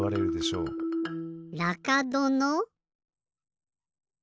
らかどの？